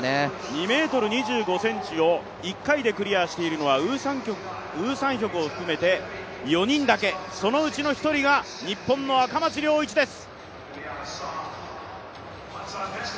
２ｍ２５ｃｍを１回でクリアしているのはウ・サンヒョクを含めて４人だけ、そのうちの１人が日本の赤松諒一です。